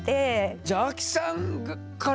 じゃあアキさんから？